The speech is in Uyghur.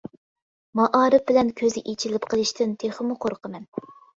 مائارىپ بىلەن كۆزى ئېچىلىپ قىلىشتىن تېخىمۇ قورقىمەن.